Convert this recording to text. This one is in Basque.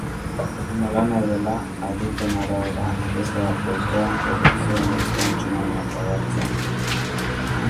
Nolanahi dela, adituen arabera, ez da ohikoa erupzioen ostean tsunamiak gertatzea.